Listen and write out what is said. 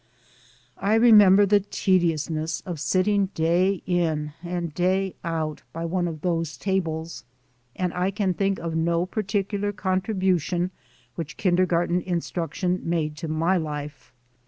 I remember the tediousness of sitting day in and day out by one of those tables, and I can think of no particular contribution which kin dergarten instruction made to my life.